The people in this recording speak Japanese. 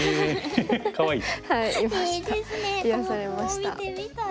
癒やされました。